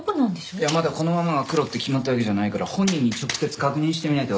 いやまだこのママがクロって決まったわけじゃないから本人に直接確認してみないと。